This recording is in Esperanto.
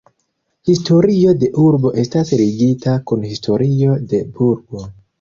Historio de urbo estas ligita kun historio de burgo.